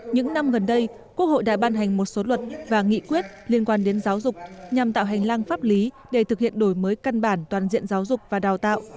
những năm gần đây quốc hội đã ban hành một số luật và nghị quyết liên quan đến giáo dục nhằm tạo hành lang pháp lý để thực hiện đổi mới căn bản toàn diện giáo dục và đào tạo